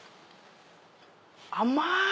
甘い。